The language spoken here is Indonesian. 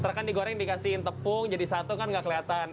terus kan digoreng dikasihin tepung jadi satu kan gak kelihatan